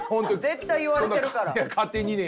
絶対言われてるから。